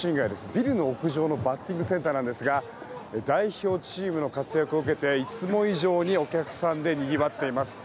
ビルの屋上のバッティングセンターなんですが代表チームの活躍を受けていつも以上にお客さんでにぎわっています。